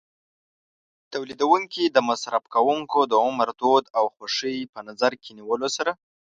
تولیدوونکي د مصرف کوونکو د عمر، دود او خوښۍ په نظر کې نیولو سره.